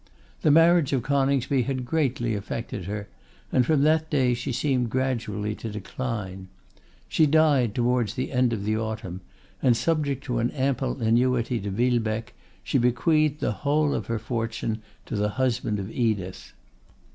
The marriage of Coningsby had greatly affected her, and from that day she seemed gradually to decline. She died towards the end of the autumn, and, subject to an ample annuity to Villebecque, she bequeathed the whole of her fortune to the husband of Edith.